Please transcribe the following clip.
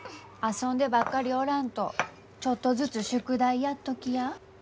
遊んでばっかりおらんとちょっとずつ宿題やっときや。